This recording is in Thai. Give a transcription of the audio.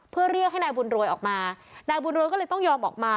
เพื่อเรียกให้นายบุญรวยออกมานายบุญรวยก็เลยต้องยอมออกมา